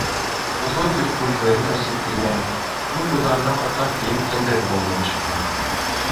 Тоҙло тир күҙҙәрен әсеттергән, юл туҙанынан ҡатҡан кейем тәндәренә йәбешкән.